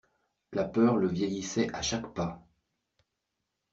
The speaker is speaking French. La peur le vieillissait à chaque pas.